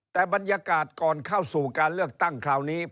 แต่บรรยากาศก่อนเข้าสู่การเลือกตั้งคราวนี้